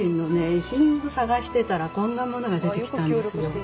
遺品を探してたらこんなものが出てきたんですけど。